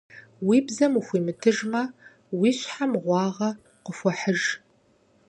Уи бзэм ухуимытыжмэ, уи щхьэ мыгъуагъэ къыхуэхьыж.